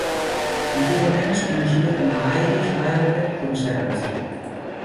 Antigament es coneixia com a Irish Wildbird Conservancy.